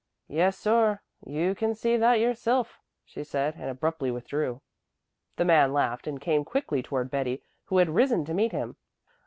"Yes, sor, you can see that yoursilf," she said and abruptly withdrew. The man laughed and came quickly toward Betty, who had risen to meet him.